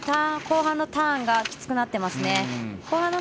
後半のターンがきつくなっています。